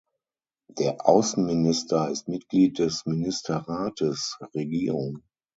Der Außenminister ist Mitglied des Ministerrates (Regierung).